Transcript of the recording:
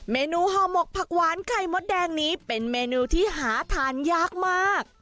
เมนูห่อหมกผักหวานไข่มดแดงนี้เป็นเมนูที่หาทานยากมาก